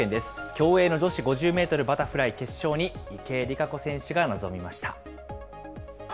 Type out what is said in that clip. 競泳の女子５０メートルバタフライ決勝に池江璃花子選手が臨みました。